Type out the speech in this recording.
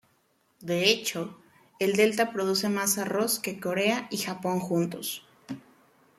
De hecho, el delta produce más arroz que Corea y Japón juntos.